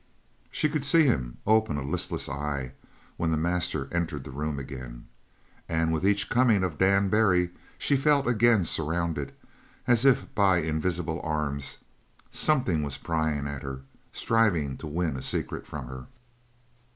She could see him open a listless eye when the master entered the room again. And with each coming of Dan Barry she felt again surrounded as if by invisible arms. Something was prying at her, striving to win a secret from her.